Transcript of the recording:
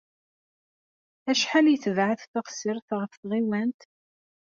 Acḥal ay tebɛed teɣsert ɣef tɣiwant?